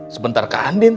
sebentar ke andin